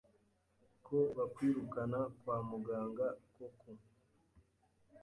ko bakwirukana kwa muganga koko